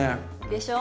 でしょ。